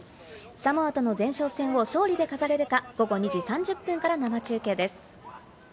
サモアとの前哨戦を勝利で飾れるか、午後２時３０分から生中継です。